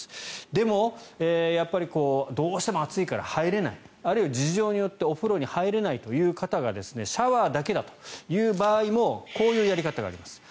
でも、やっぱりどうしても暑いから入れないあるいは事情によってお風呂に入れないという方がシャワーだけだという場合もこういうやり方があります。